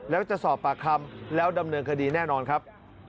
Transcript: แล้วจะสอบปากคำแล้วดำเนินคดีแน่นอนครับ